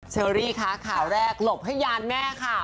เชอรี่คะข่าวแรกหลบให้ยานแม่ค่ะ